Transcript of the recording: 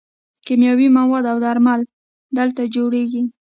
کیمیاوي مواد او درمل دلته جوړیږي.